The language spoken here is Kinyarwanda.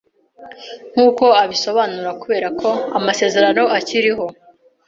nkuko abisobanura kubera ko "amasezerano akiriho